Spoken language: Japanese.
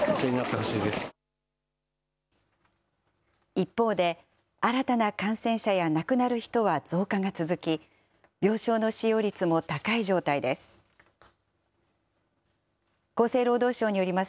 一方で、新たな感染者や亡くなる人は増加が続き、病床の使用率も高い状態です。